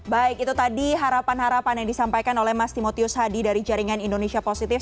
baik itu tadi harapan harapan yang disampaikan oleh mas timotius hadi dari jaringan indonesia positif